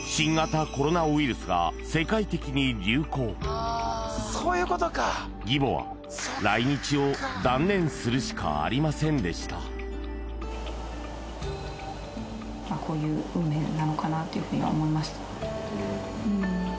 しかしこの年義母は来日を断念するしかありませんでしたというふうに思いました